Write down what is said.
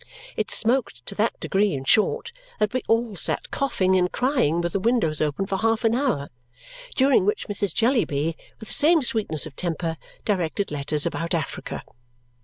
It smoked to that degree, in short, that we all sat coughing and crying with the windows open for half an hour, during which Mrs. Jellyby, with the same sweetness of temper, directed letters about Africa.